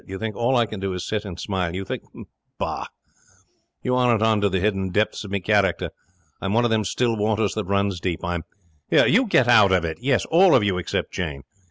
You think all I can do is to sit and smile. You think Bah! You aren't on to the hidden depths in me character. I'm one of them still waters that runs deep. I'm Here, you get out of it! Yes, all of you! Except Jane.